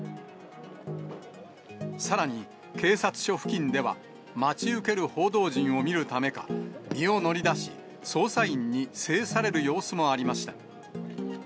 さらに、警察署付近では、待ち受ける報道陣を見るためか、身を乗り出し、捜査員に制される様子もありました。